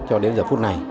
cho đến giờ phút này